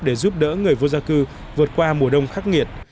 để giúp đỡ người vô gia cư vượt qua mùa đông khắc nghiệt